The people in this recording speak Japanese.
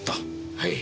はい。